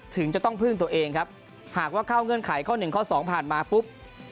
ถึงจะต้องพึ่งตัวเองครับหากว่าเข้าเงื่อนไขข้อหนึ่งข้อสองผ่านมาปุ๊บ